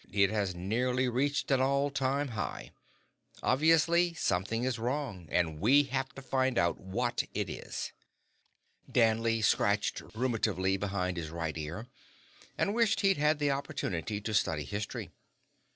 It has nearly reached an all time high. Obviously, something is wrong, and we have to find out what it is." Danley scratched ruminatively behind his right ear and wished he'd had the opportunity to study history.